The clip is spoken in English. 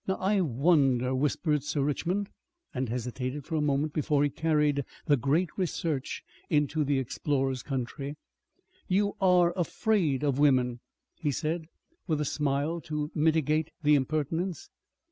"Now I wonder," whispered Sir Richmond, and hesitated for a moment before he carried the great research into the explorer's country. "You are afraid of women?" he said, with a smile to mitigate the impertinence.